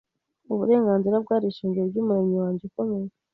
Uburenganzira bwari ishingiro ry'Umuremyi wanjye ukomeye